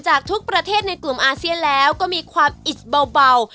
จากทุกประเทศในกลุ่มอาเซียนแล้วก็มีความอิดเบา